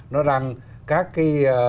nó đang các cái